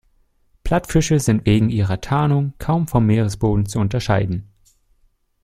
Plattfische sind wegen ihrer Tarnung kaum vom Meeresboden zu unterscheiden.